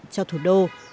cho thủ đô